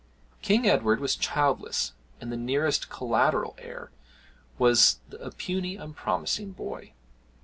King Edward was childless, and the nearest collateral heir was a puny unpromising boy.